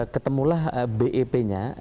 ketemulah bep nya